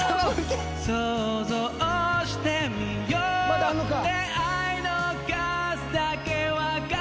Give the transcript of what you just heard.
まだあんのか！？